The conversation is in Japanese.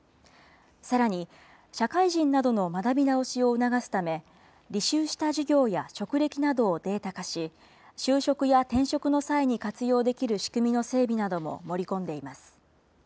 さらに社会人などの学び直しを促すため、履修した授業や職歴などをデータ化し、就職や転職の際に活用できる仕組みの整備なども盛り込んでいます。